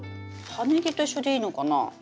葉ネギと一緒でいいのかな？